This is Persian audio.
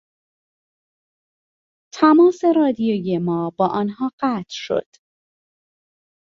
تماس رادیویی ما با آنها قطع شد.